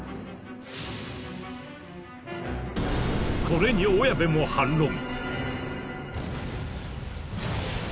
これに小谷部も反論。